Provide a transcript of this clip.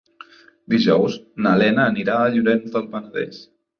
Dijous na Lena anirà a Llorenç del Penedès.